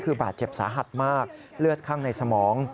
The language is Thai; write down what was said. คือบาดเจ็บสาหัสมากเลือดข้างในสมอง